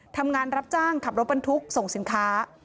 ทำงานรับจ้างขับรถบรรทุกส่งสินค้า